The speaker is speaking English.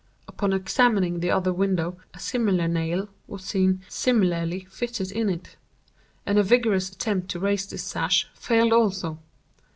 Upon examining the other window, a similar nail was seen similarly fitted in it; and a vigorous attempt to raise this sash, failed also.